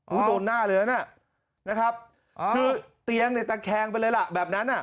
โหนหน้าเลยแล้วนะครับนะคะที่เตียงในตระแคงไปเลยล่ะแบบนั้นอ่ะ